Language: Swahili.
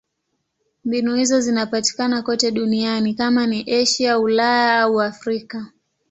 Mbinu hizo zinapatikana kote duniani: kama ni Asia, Ulaya au Afrika.